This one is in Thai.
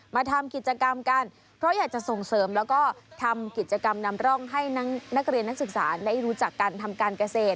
มาทำกิจกรรมกันเพราะอยากจะส่งเสริมแล้วก็ทำกิจกรรมนำร่องให้นักเรียนนักศึกษาได้รู้จักการทำการเกษตร